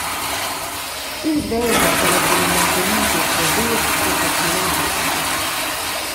Ins vesa ch’ellas vegnan mantenidas da vers professiunals.»